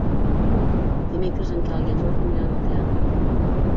Dimecres en Quel i en Jordi aniran al teatre.